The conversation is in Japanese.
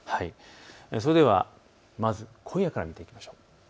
それでは今夜から見ていきましょう。